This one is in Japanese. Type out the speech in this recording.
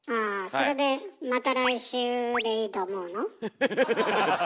それで「また来週」でいいと思うの？